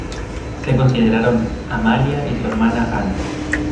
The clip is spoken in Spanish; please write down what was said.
Se consideraron Amalia y su hermana Ana.